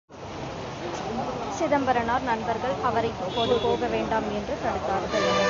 சிதம்பரனார் நண்பர்கள் அவரை இப்போது போக வேண்டாம் என்று தடுத்தார்கள்.